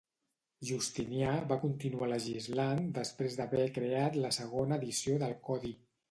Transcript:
Justinià va continuar legislant després d'haver creat la segona edició del Codi.